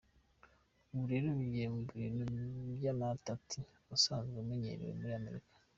"Ubu rero bigiye mu bintu vy'amatati asanzwe amenyerewe muri Amerika.